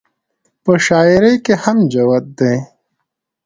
پۀ شاعرۍ کښې هم جوت دے -